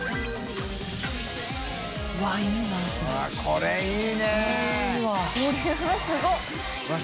これいいわ。